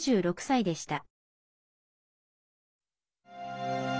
９６歳でした。